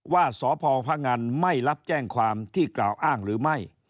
ว่าสพพงันไม่รับแจ้งความที่กล่าวอ้างหรือไม่